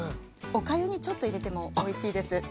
おかゆにちょっと入れてもおいしいです。